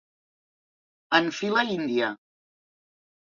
En fila índia.